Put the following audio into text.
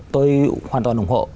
tôi hoàn toàn ủng hộ